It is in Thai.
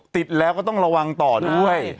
ติดแล้วก็ต้องระวังต่อด้วย